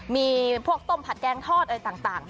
มีพวกต้มผัดแกงทอดอะไรต่าง